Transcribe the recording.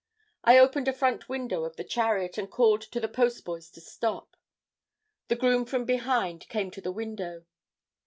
I opened a front window of the chariot, and called to the postboys to stop. The groom from behind came to the window.